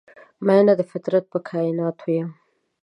میینه د فطرت په کائیناتو یم